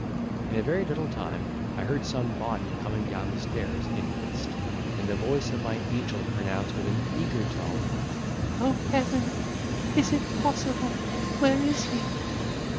In a very little time I heard some body coming down the stairs in haste, and the voice of my angel pronounce, with an eager tone, "O heaven! is it possible! where is he?"